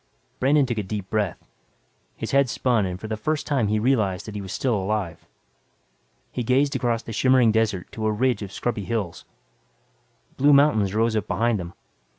Brandon took a deep breath. His head spun and for the first time he realized that he was still alive. He gazed across the shimmering desert to a ridge of scrubby hills. Blue mountains rose up beyond them.